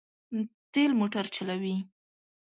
تېل موټر چلوي.